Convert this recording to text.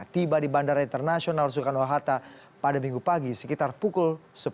tiba di bandara internasional soekarno hatta pada minggu pagi sekitar pukul sepuluh